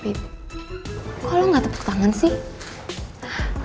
wait kok lo gak tepuk tangan sih